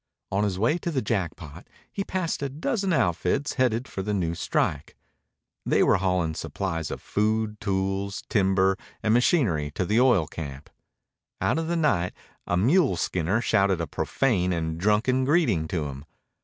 On his way to the Jackpot he passed a dozen outfits headed for the new strike. They were hauling supplies of food, tools, timbers, and machinery to the oil camp. Out of the night a mule skinner shouted a profane and drunken greeting to him.